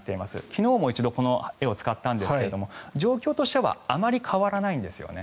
昨日も一度この絵を使ったんですが状況としてはあまり変わらないんですよね。